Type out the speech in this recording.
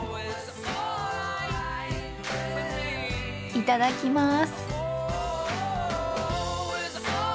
いただきます。